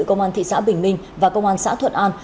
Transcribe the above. công an thị xã bình minh và công an xã thuận an